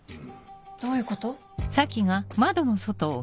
どういうこと？